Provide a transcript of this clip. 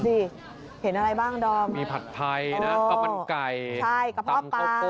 เห็นอะไรบ้างดอมมีผัดไทยนะกะมันไก่ใช่กระเพาะปลา